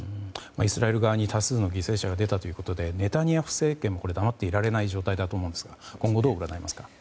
イスラエル側に多数の犠牲者が出たということでネタニヤフ政権も黙っていられない状態だと思いますが今後、どう伺いますか。